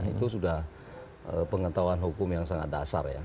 itu sudah pengetahuan hukum yang sangat dasar ya